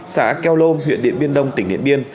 xã keo lôm huyện điện biên đông tỉnh điện biên